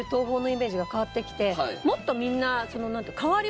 もっとみんな。